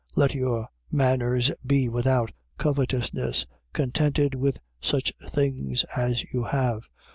Let your manners be without covetousness, contented with such things as you have.